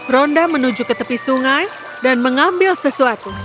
ronda menuju ke tepi sungai dan mengambil sesuatu